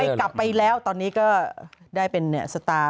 กลับไปแล้วตอนนี้ก็ได้เป็นสตาร์